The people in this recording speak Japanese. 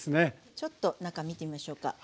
ちょっと中見てみましょうか。